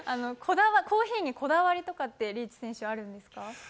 コーヒーにこだわりとかってリーチ選手、あるんですか。